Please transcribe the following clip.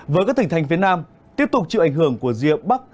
với các tỉnh thành phía nam tiếp tục chịu ảnh hưởng của rìa bắc